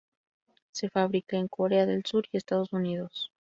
Se fabrica en Corea del Sur y Estados Unidos.